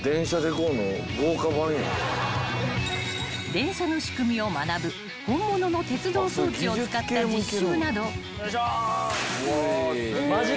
［電車の仕組みを学ぶ本物の鉄道装置を使った実習など］